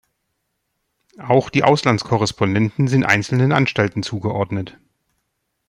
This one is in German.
Auch die Auslandskorrespondenten sind einzelnen Anstalten zugeordnet.